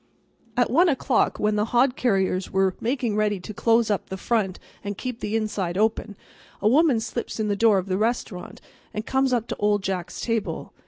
At 1 o'clock when the hod carriers were making ready to close up the front and keep the inside open, a woman slips in the door of the restaurant and comes up to Old Jack's table.